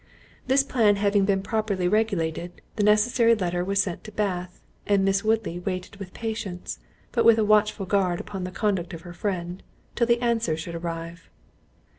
This plan having been properly regulated, the necessary letter was sent to Bath, and Miss Woodley waited with patience, but with a watchful guard upon the conduct of her friend, till the answer should arrive.